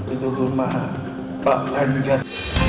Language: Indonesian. itu rumah pak ganjar